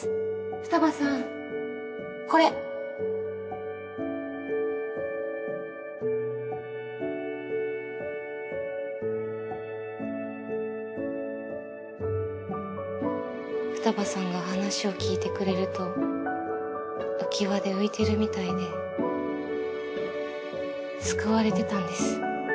二葉さんこれ二葉さんが話を聞いてくれるとうきわで浮いてるみたいで救われてたんです。